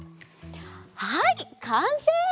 はいかんせい！